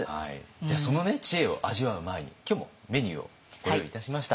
じゃあその知恵を味わう前に今日もメニューをご用意いたしました。